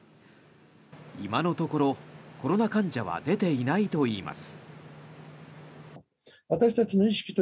今のところコロナ患者は出ていないといいます。